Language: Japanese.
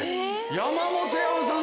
山本山さん